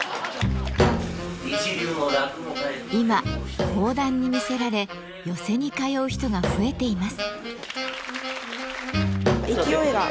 今講談に魅せられ寄席に通う人が増えています。